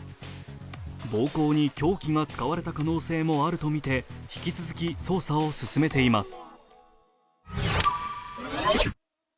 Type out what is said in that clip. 暴行に凶器が使われた可能性もあるとみて引き続き捜査を進めています。